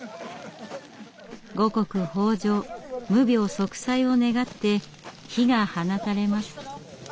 五穀豊穣無病息災を願って火が放たれます。